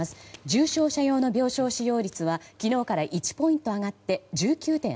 重症者用の病床使用率は昨日から１ポイント上がって１９．８％。